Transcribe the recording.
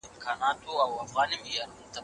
پلان جوړونه د منابعو د ضايع کيدو مخنيوی کوي.